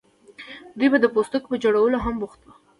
دوی به د پوستکو په جوړولو هم بوخت وو.